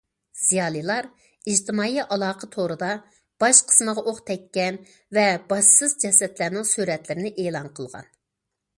زىيالىيلار ئىجتىمائىي ئالاقە تورىدا باش قىسمىغا ئوق تەگكەن ۋە باشسىز جەسەتلەرنىڭ سۈرەتلىرىنى ئېلان قىلغان.